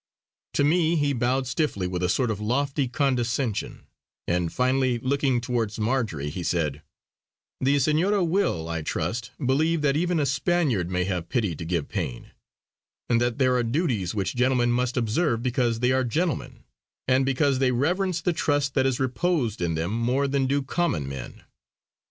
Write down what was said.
To me he bowed stiffly with a sort of lofty condescension; and finally, looking towards Marjory, he said: "The Senora will I trust believe that even a Spaniard may have pity to give pain; and that there are duties which gentlemen must observe because they are gentlemen, and because they reverence the trust that is reposed in them more than do common men.